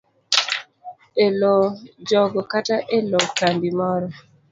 e lo jogo kata e lo kambi moro.